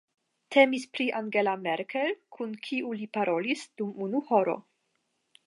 Temis pri Angela Merkel, kun kiu li parolis dum unu horo.